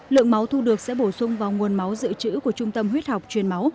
lượng máu thu được sẽ bổ sung vào nguồn máu dự trữ của trung tâm huyết học truyền máu